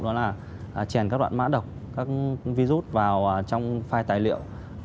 đó là trèn các đoạn mã đọc các virus vào trong file tài liệu